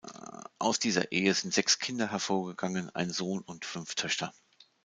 Aus dieser Ehe sind sechs Kinder hervorgegangen, ein Sohn und fünf Töchter.